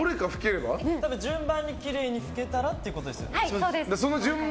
順番にきれいに吹けたらってことですよね。